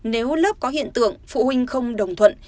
nếu lớp có hiện tượng phụ huynh không đồng thuận